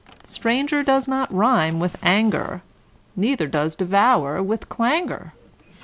Stranger does not rime with anger, Neither does devour with clangour.